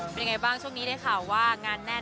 เป็นไงบ้างช่วงนี้ได้ข่าวว่างานแน่น